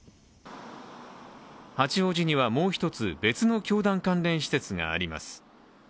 八王子にはもうひとつ別の教団関連施設があります。